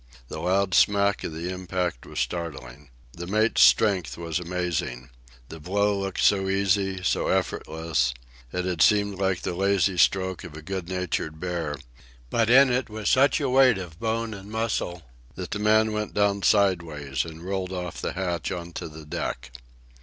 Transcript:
The loud smack of the impact was startling. The mate's strength was amazing. The blow looked so easy, so effortless; it had seemed like the lazy stroke of a good natured bear, but in it was such a weight of bone and muscle that the man went down sidewise and rolled off the hatch on to the deck.